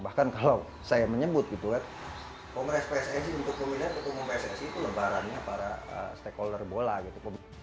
bahkan kalau saya menyebut gitu kan kongres pssi untuk pemilihan ketua umum pssi itu lebarannya para stakeholder bola gitu